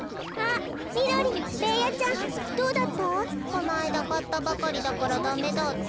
このあいだかったばかりだからダメだって。